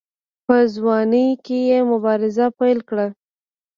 په ځوانۍ کې یې مبارزه پیل کړه.